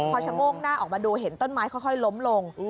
พอชะโงกหน้าออกมาดูเห็นต้นไม้ค่อยล้มลง